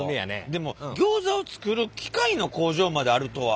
でもギョーザを作る機械の工場まであるとは。